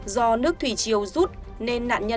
do nước thủy chiều rút nên nạn nhiễm